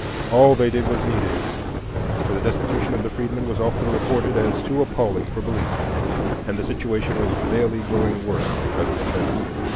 All they did was needed, for the destitution of the freedmen was often reported as "too appalling for belief," and the situation was daily growing worse rather than better.